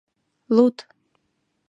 Луд.